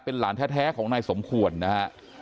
เป็นหลานแท้ของนายสมควรนะครับ